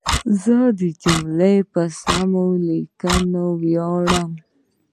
زه د جملو په سمه لیکنه ویاړم.